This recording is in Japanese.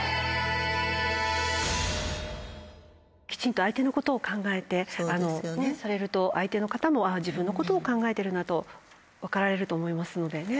きちんと相手のことを考えてされると相手の方も自分のことを考えてるなと分かられると思いますのでねっ？